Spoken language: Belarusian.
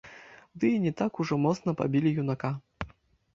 Ды і не так ужо моцна пабілі юнака.